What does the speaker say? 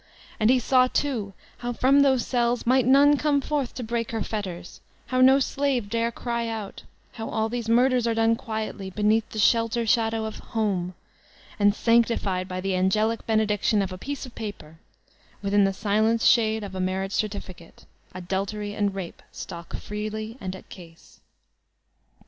And he saw too how from those cells might none come forth to break her fetters, how no slave dare cry out, how all these murders are done quietly, beneath the shel ter shadow of home, and sanctified by the angelic bene diction of a piece of paper, within the silence shade of a marriage certificate, Adultery and Rape stalk freely and at ease.